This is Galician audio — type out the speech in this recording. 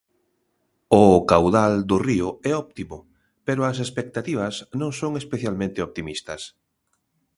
O caudal do río é óptimo, pero as expectativas non son especialmente optimistas.